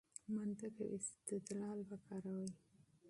منطق او استدلال وکاروئ.